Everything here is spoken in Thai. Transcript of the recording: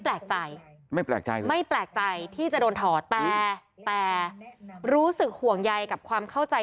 แปลกใจไม่แปลกใจที่จะโดนถอดแต่รู้สึกห่วงใยกับความเข้าใจ